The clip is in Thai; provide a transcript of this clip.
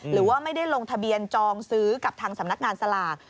หรือว่าไม่ได้ลงทะเบียนจองซื้อกับทางสำนักงานสลาก